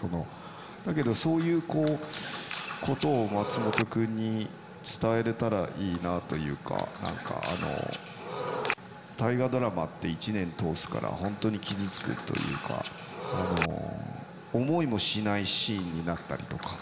だけどそういうことを松本君に伝えれたらいいなあというか何かあの「大河ドラマ」って１年通すから本当に傷つくというか思いもしないシーンになったりとか。